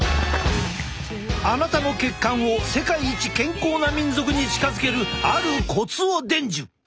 あなたの血管を世界一健康な民族に近づけるあるコツを伝授！